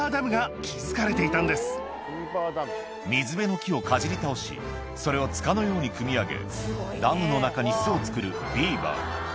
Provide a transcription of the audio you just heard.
水辺の木をかじり倒しそれを塚のように組み上げを作るビーバー